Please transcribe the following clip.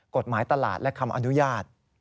กฎหมายตลาดและคำอนุญาต